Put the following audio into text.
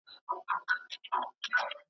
څنګه پردی سوم له هغي خاوري `